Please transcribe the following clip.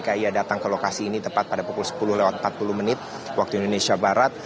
kaya datang ke lokasi ini tepat pada pukul sepuluh lewat empat puluh menit waktu indonesia barat